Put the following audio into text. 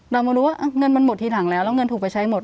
เรามารู้ว่าเงินมันหมดทีหลังแล้วแล้วเงินถูกไปใช้หมด